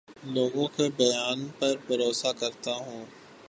لوگوں کے بیان پر بھروسہ کرتا ہوں